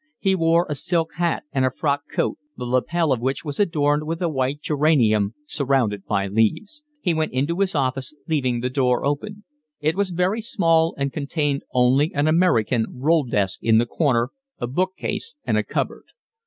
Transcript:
He wore a silk hat and a frock coat, the lapel of which was adorned with a white geranium surrounded by leaves. He went into his office, leaving the door open; it was very small and contained only an American roll desk in the corner, a bookcase, and a cupboard.